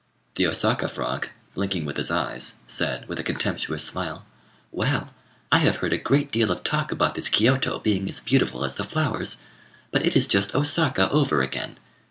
The Osaka frog, blinking with his eyes, said, with a contemptuous smile, "Well, I have heard a great deal of talk about this Kiôto being as beautiful as the flowers, but it is just Osaka over again.